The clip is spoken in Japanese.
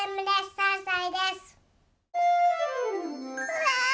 うわ！